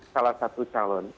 salah satu calon